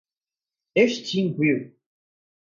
extinguiu